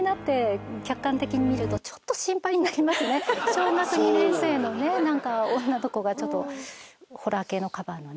小学２年生の女の子がホラー系のカバーのね。